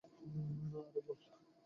আরে, বল?